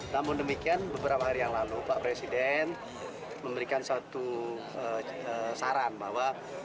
namun demikian beberapa hari yang lalu pak presiden memberikan suatu saran bahwa